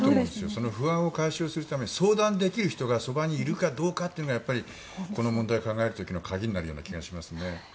その不安を解消するために相談できる人がそばにいるかどうかがやっぱり、この問題を考える鍵になる気がしますね。